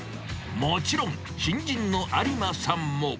もちろん新人の有馬さんも。